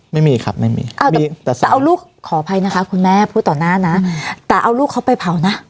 ไม่มีครับไม่มีแต่เอาลูกขออภัยนะคะคุณแม่พูดต่อหน้านะแต่เอาลูกเขาไปเผานะ